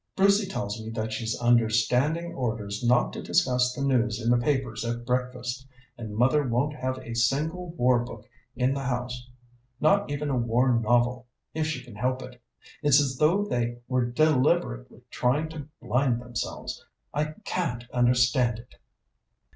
Brucey tells me that she's under standing orders not to discuss the news in the papers at breakfast, and mother won't have a single war book in the house not even a war novel, if she can help it. It's as though they were deliberately trying to blind themselves. I can't understand it."